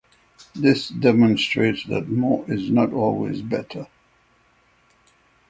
This demonstrates that more is not always better.